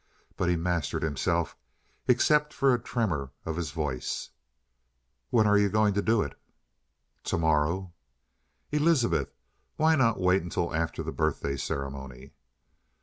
But he mastered himself, except for a tremor of his voice. "When are you going to do it?" "Tomorrow." "Elizabeth, why not wait until after the birthday ceremony?"